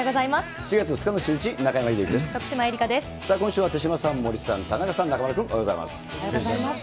４月２日のシューイチ、中山秀征です。